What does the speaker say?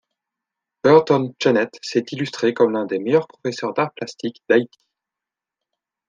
Burton Chenet s’est illustré comme l’un des meilleurs professeurs d’arts plastiques d’Haïti.